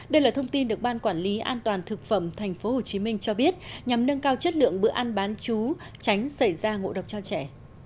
đây là thông tin được ban quản lý an toàn thực phẩm tp hcm cho biết nhằm nâng cao chất lượng bữa ăn bán chú tránh xảy ra ngộ độc cho trẻ